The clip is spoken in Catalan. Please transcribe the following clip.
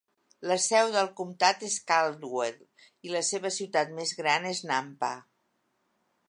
La seu del comtat és Caldwell, i la seva ciutat més gran és Nampa.